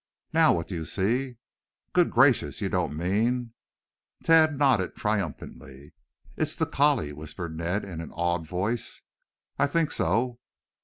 "Now what do you see?" "Good gracious you don't mean " Tad nodded triumphantly. "It's the collie!" whispered Ned in an awed voice. "I think so.